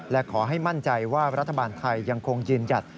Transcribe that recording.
และขอให้มั่นใจว่ารัฐบาลไทยยังคงยืนหยัด